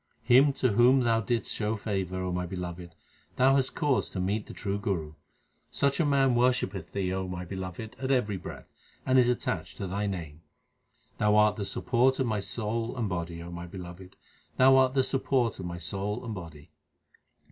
Him to whom Thou didst show favour, O my Beloved, Thou hast caused to meet the true Guru. Such a man worshippeth Thee, O my Beloved, at every breath, and is attached to Thy name. Thou art the support of my soul and body, O my Beloved ; Thou art the support of my soul and body.